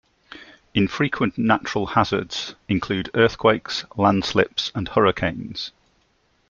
Infrequent natural hazards include earthquakes, landslips and hurricanes.